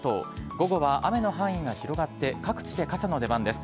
午後は雨の範囲が広がって、各地で傘の出番です。